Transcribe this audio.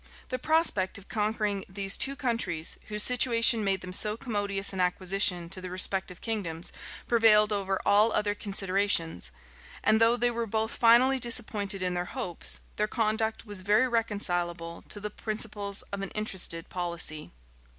The prospect of conquering these two countries, whose situation made them so commodious an acquisition to the respective kingdoms, prevailed over all other considerations; and though they were both finally disappointed in their hopes, their conduct was very reconcilable to the principles of an interested policy.